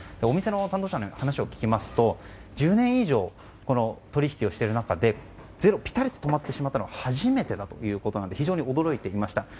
お店の担当者に話を聞きますと１０年以上、取引をしている中でぴたりと止まってしまったのは初めてだということで非常に驚いていました。